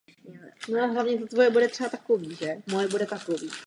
Na západě se pak hranice klade k městu Hamilton.